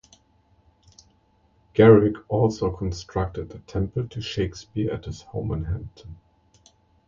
Garrick also constructed a temple to Shakespeare at his home in Hampton.